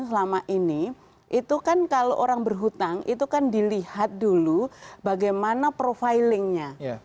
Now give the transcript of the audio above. selama ini itu kan kalau orang berhutang itu kan dilihat dulu bagaimana profilingnya